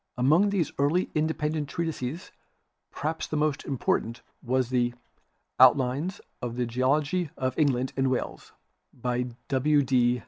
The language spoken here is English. Among these early independent treatises perhaps the most important was the "Outlines of the Geology of England and Wales" by W. D.